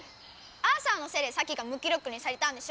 アーサーのせいでサキが無気力にされたんでしょ！